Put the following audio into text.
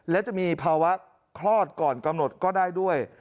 และจะมีภาวะคลอดก่อนกำหนดก็ได้ด้วย